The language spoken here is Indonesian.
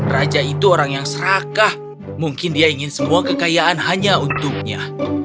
raja itu orang yang serakah mungkin dia ingin semua kekayaan hanya untuknya